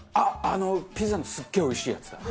あのピザのすっげえおいしいやつだ。